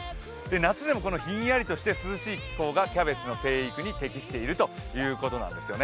夏でもひんやりとして涼しい気候がキャベツの生育に適しているということなんです。